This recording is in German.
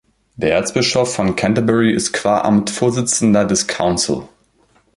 Der Erzbischof von Canterbury ist qua Amt Vorsitzender des Council.